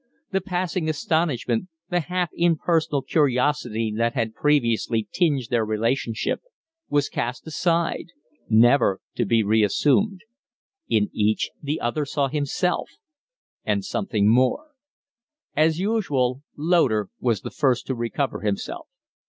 The passing astonishment, the half impersonal curiosity that had previously tinged their relationship, was cast aside, never to be reassumed. In each, the other saw himself and something more. As usual, Loder was the first to recover himself.